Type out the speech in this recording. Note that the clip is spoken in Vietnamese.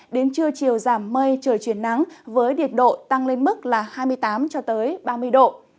đến trưa chiều giảm mây trời chuyển nắng với điệt độ tăng lên mức hai mươi tám ba mươi độ